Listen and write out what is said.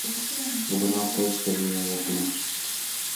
Bugun avtobusda boʻlgan voqea